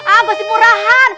ah gosip murahan